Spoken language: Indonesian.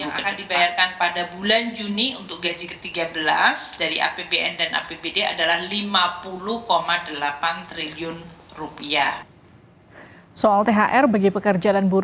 yang akan dibayarkan pada bulan juni untuk gaji ke tiga belas dari apbn dan apbd adalah lima puluh delapan triliun rupiah